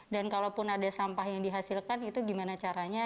dan kalaupun ada sampah yang dihasilkan itu bagaimana caranya